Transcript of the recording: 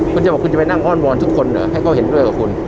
คุณจะบอกคุณจะไปนั่งอ้อนวอนทุกคนเหรอให้เขาเห็นด้วยกับคุณ